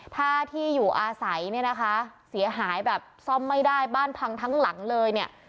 ถ้าที่อยู่อาศัยเสียหายแบบซ่อมไม่ได้บ้านพังทั้งหลังเลย